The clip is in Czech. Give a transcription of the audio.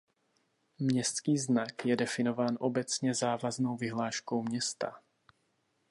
Městský znak je definován obecně závaznou vyhláškou města.